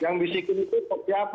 saya mau nge record pak abed